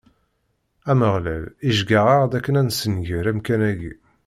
Ameɣlal iceggeɛ-aɣ-d akken ad nessenger amkan-agi.